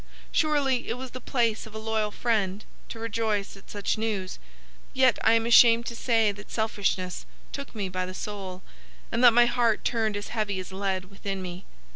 Surely it was the place of a loyal friend to rejoice at such news; yet I am ashamed to say that selfishness took me by the soul, and that my heart turned as heavy as lead within me.